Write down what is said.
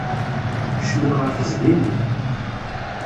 Kecmen ɣer teẓgi-nni.